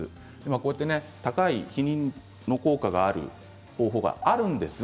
こうやって高い避妊の効果がある方法があるんですが